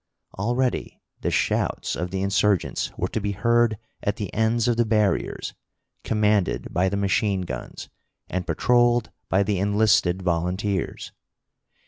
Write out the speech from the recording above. Already the shouts of the insurgents were to be heard at the ends of the barriers, commanded by the machine guns, and patrolled by the enlisted volunteers.